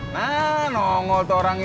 nah nongol tuh orangnya